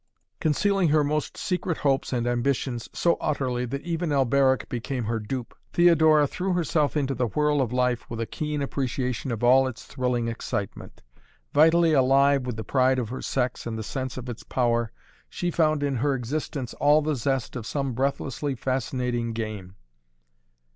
Concealing her most secret hopes and ambitions so utterly that even Alberic became her dupe, Theodora threw herself into the whirl of life with a keen appreciation of all its thrilling excitement. Vitally alive with the pride of her sex and the sense of its power, she found in her existence all the zest of some breathlessly fascinating game.